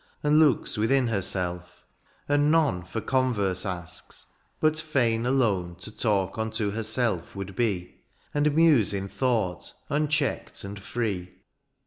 And looks within herself; and none For converse asks, but fain alone To talk unto herself would be. And muse in thought unchecked and free.